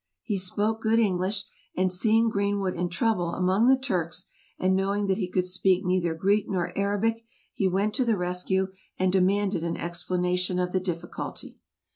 He spoke good English, and seeing Greenwood in trouble among the Turks, and knowing that he could speak neither Greek nor Arabic, he went to the rescue, and demanded an explanation of the difficulty.